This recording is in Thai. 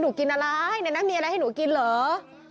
กินอะไรในนั้นมีอะไรให้หนูกินเหรอ